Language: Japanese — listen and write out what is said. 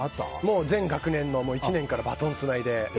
全学年の１年からバトンつないで。